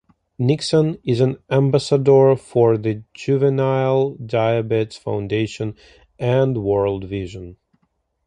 Nixon is an ambassador for the Juvenile Diabetes Foundation and World Vision.